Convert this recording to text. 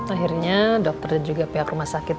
akhirnya dokter dan juga pihak rumah sakit